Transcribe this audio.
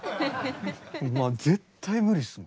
絶対無理っすもん。